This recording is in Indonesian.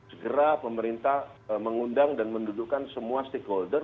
segera pemerintah mengundang dan mendudukkan semua stakeholder